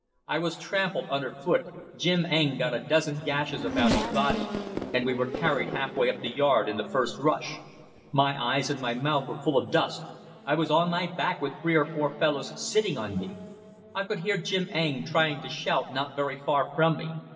I was trampled under foot, Jim Eng got a dozen gashes about his body, and we were carried halfway up the yard in the first rush. My eyes and mouth were full of dust; I was on my back with three or four fellows sitting on me. I could hear Jim Eng trying to shout not very far from me.